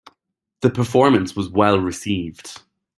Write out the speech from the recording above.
The performance was well received.